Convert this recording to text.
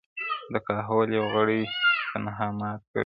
• د کهول یو غړی تنها مات کړي,